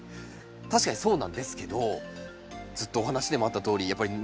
確かにそうなんですけどずっとお話でもあったとおりやっぱり蒸れやすいんですよ。